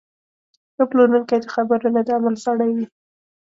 ښه پلورونکی د خبرو نه، د عمل سړی وي.